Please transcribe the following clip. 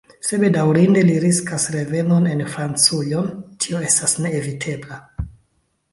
Se bedaŭrinde li riskas revenon en Francujon, tio estas neevitebla.